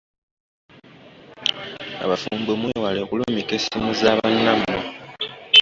Abafumbo mwewale okulumika essimu za bannammwe.